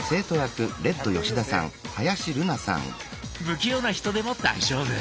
不器用な人でも大丈夫！